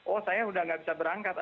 oh saya sudah tidak bisa berangkat